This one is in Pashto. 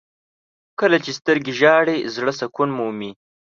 • کله چې سترګې ژاړي، زړه سکون مومي.